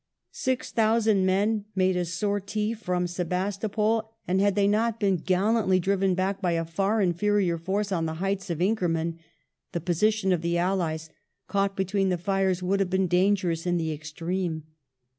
Six thousand men made a sortie from Sebastopol, and 234 THE COALITION AND THE CRIMEAN WAR [1852 had they not been gallantly driven back by a far inferior force on the heights of Inkerman, the position of the allies, caught between the fires, would have been dangerous in the extreme.